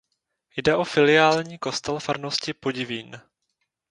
Jde o filiální kostel farnosti Podivín.